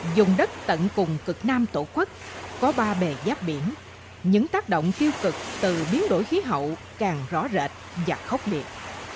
dùng đất tận cùng cực nam tổ quốc có ba bể giáp biển những tác động tiêu cực từ biến đổi khí hậu càng rõ rệt và khốc biệt